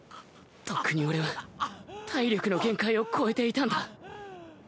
とっくに俺は体力の限界を超えていたんだ